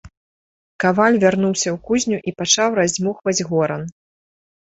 Каваль вярнуўся ў кузню і пачаў раздзьмухваць горан.